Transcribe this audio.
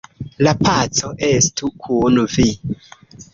La paco estu kun vi!